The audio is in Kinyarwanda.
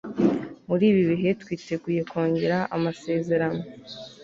Muri ibi bihe twiteguye kongera amasezerano